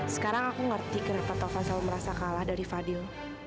sekarang aku ngerti kenapa tau faisal merasa kalah dari fadil